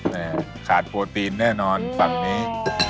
ขาดโปรตีนแน่นอนฝั่งนี้